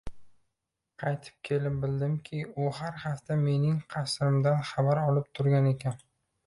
Qaytib kelib bildimki, u har hafta mening qasrimdan xabar olib turgan ekan